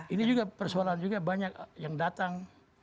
ini juga persoalan juga banyak yang datang